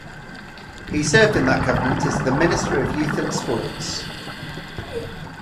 He served in that government as the Minister of Youth and Sports.